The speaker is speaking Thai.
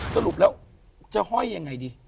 สรุปแล้วจะห้อยยังไงดี